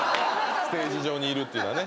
ステージ上にいるっていうのはね。